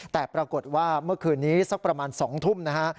แต่ปรากฏว่าเมื่อคืนนี้สักประมาณ๒ทุ่มนะฮะ